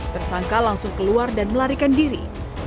tersangka langsung keluar dan melarikan diri